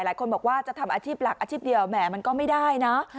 หลายคนบอกว่าจะทำอาชีพหลักอาชีพเดียวแหมมันก็ไม่ได้นะ